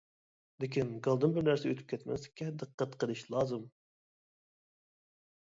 لېكىن گالدىن بىر نەرسە ئۆتۈپ كەتمەسلىككە دىققەت قىلىش لازىم.